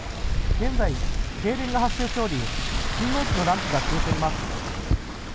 現在、停電が発生しており信号機のランプが消えています。